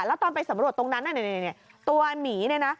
แล้วตอนไปสำรวจตรงนั้นตัวหมีเนี่ยนะ